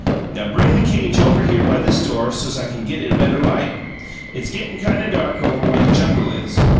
"Now, bring the cage over here by this door so's I can get a better light; it's gettin' kind of dark over where the jungle is.